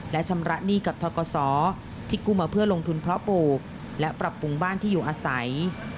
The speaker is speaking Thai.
และชำระหนี้กับทกศที่กู้มาเพื่อลงทุนเพาะปลูกและปรับปรุงบ้านที่อยู่อาศัย